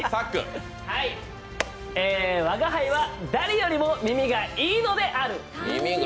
吾輩は誰よりも耳がいいのである。